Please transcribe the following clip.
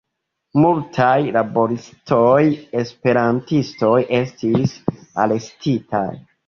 Multaj laboristoj-esperantistoj estis arestitaj.